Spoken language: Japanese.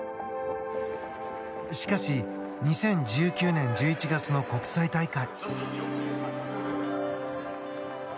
しかし、２０１９年１１月の国際大会。